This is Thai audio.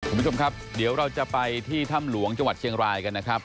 คุณผู้ชมครับเดี๋ยวเราจะไปที่ถ้ำหลวงจังหวัดเชียงรายกันนะครับ